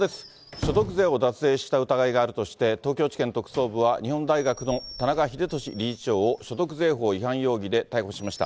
所得税を脱税した疑いがあるとして、東京地検特捜部は、日本大学の田中英壽理事長を、所得税法違反容疑で逮捕しました。